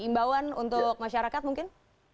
imbauan untuk masyarakat mungkin